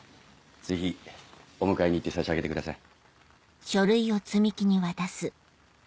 ぜひお迎えに行って差し上げてください。